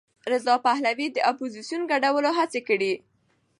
رضا پهلوي د اپوزېسیون ګډولو هڅې کړي.